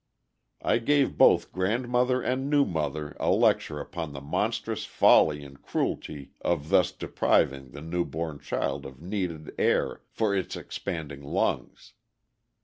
I gave both grandmother and new mother a lecture upon the monstrous folly and cruelty of thus depriving the new born child of needed air for its expanding lungs.